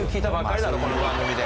この番組で。